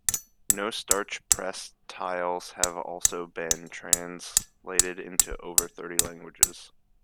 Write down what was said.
No Starch Press titles have also been translated into over thirty languages.